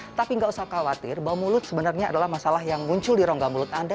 tapi nggak usah khawatir bau mulut sebenarnya adalah masalah yang muncul di rongga mulut anda